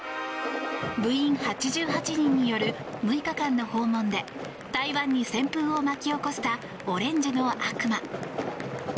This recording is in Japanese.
部員８８人による６日間の訪問で台湾に旋風を巻き起こしたオレンジの悪魔。